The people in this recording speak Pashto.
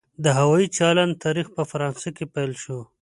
د هوایي چلند تاریخ په فرانسه کې پیل شو.